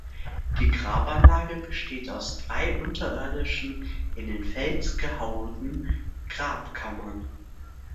Die Grabanlage besteht aus drei unterirdischen in den Fels gehauenen Grabkammern.